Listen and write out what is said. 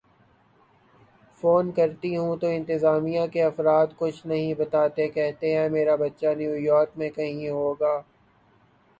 phone کرتی ہوں تو انتظامیہ کے افراد کچھ نہیں بتاتے کہتے ہیں میرا بچہ نیویارک میں کہیں ہوگا